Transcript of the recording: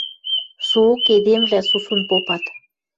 Соок эдемвлӓ сусун попат: